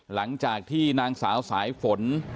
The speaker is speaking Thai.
หลังจากที่นางสาวสายฝน